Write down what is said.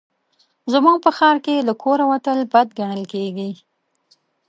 زموږ په ښار کې له کوره وتل بد ګڼل کېږي